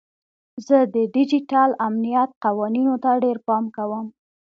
زه د ډیجیټل امنیت قوانینو ته ډیر پام کوم.